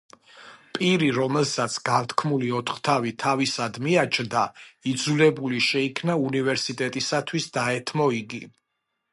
პირი, რომელსაც განთქმული ოთხთავი თავისად მიაჩნდა, იძულებული შეიქნა უნივერსიტეტისათვის დაეთმო იგი.